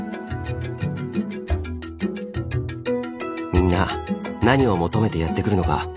みんな何を求めてやって来るのか。